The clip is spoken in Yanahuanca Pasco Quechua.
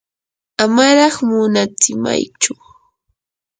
amaraq munatsimaychu.